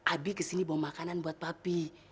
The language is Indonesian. abi kesini bawa makanan buat papi